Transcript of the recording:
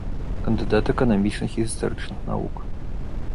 Кандыдат эканамічных і гістарычных навук.